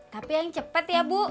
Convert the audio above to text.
tapi yang cepat ya bu